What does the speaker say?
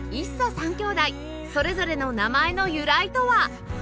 ３きょうだいそれぞれの名前の由来とは？